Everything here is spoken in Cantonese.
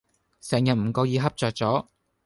成日唔覺意恰著左